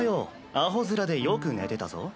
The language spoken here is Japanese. アホ面でよく寝てたぞ。